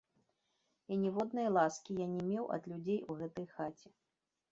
І ніводнай ласкі я не меў ад людзей у гэтай хаце.